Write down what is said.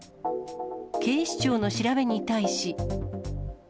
警視庁の調べに対し。